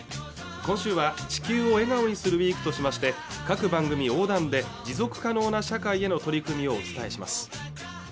今週は「地球を笑顔にするＷＥＥＫ」としまして各番組横断で持続可能な社会への取り組みをお伝えします